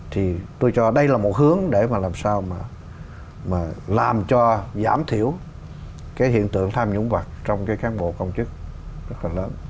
thì tôi cho đây là một hướng để mà làm sao mà làm cho giảm thiểu cái hiện tượng tham nhũng vật trong cái cán bộ công chức rất là lớn